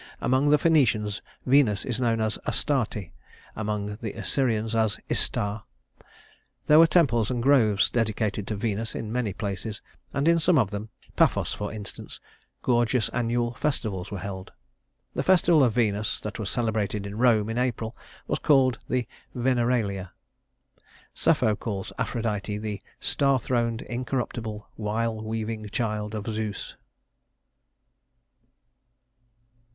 Among the Phœnicians Venus is known as Astarte, among the Assyrians as Istar. There were temples and groves dedicated to Venus in many places, and in some of them Paphos for instance gorgeous annual festivals were held. The festival of Venus that was celebrated in Rome in April was called the Veneralia. Sapho calls Aphrodite the "star throned, incorruptible, wile weaving child of Zeus."